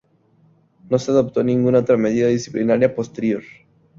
No se adoptó ninguna otra medida disciplinaria posterior.